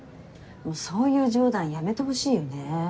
そういう冗談やめてほしいよね。